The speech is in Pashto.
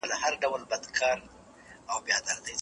په دغي کښۍ کي د نرمغالي ګټي بیان سوي دي.